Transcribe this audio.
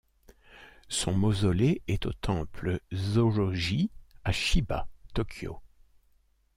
Son mausolée est au temple Zōjō-ji à Shiba, Tokyo.